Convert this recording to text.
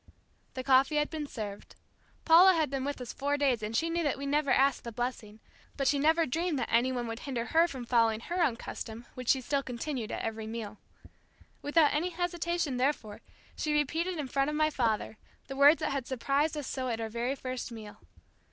The coffee had been served. Paula had been with us four days and she knew that we never asked the blessing; but she never dreamed that anyone would hinder her from following her own custom which she still continued at every meal. Without any hesitation therefore, she repeated in front of my father, the words that had surprised us so at our very first meal.